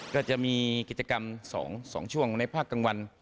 ก็จะมีกิจกรรม๒ช่วงในภาคกลางวัน